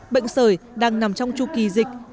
bệnh sởi đang nằm trong tru kỳ dịch